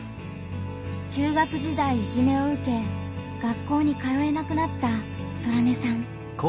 中学時代いじめを受け学校に通えなくなったソラネさん。